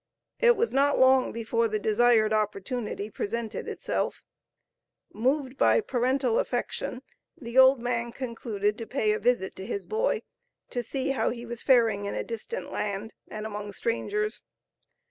It was not long before the desired opportunity presented itself. Moved by parental affection, the old man concluded to pay a visit to his boy, to see how he was faring in a distant land, and among strangers.